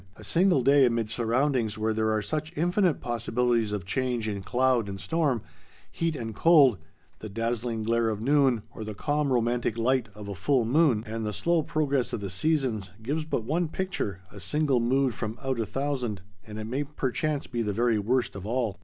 A single day amid surroundings where there are such infinite possibilities of change in cloud and storm, heat and cold, the dazzling glare of noon, or the calm romantic light of a full moon, and the slow progress of the seasons, gives but one picture, a single mood from out a thousand, and it may perchance be the very worst of all.